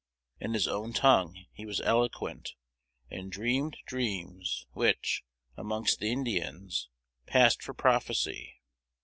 In his own tongue he was eloquent, and dreamed dreams which, amongst the Indians, passed for prophecy.